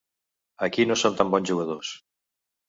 Aquí no som tan bons jugadors.